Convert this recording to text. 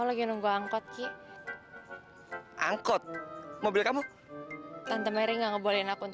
laura mana bukannya sama lo